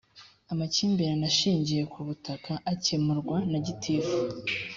amakimbirane ashingiye ku butaka akemurwa na gitifu